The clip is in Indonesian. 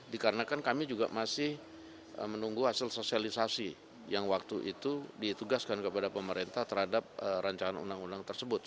dikarenakan kami juga masih menunggu hasil sosialisasi yang waktu itu ditugaskan kepada pemerintah terhadap rancangan undang undang tersebut